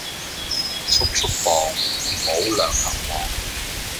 速速磅，唔好兩頭望